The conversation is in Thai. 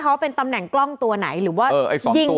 เพราะว่าเป็นตำแหน่งกล้องตัวไหนหรือว่ายิงไปที่ตรงไหน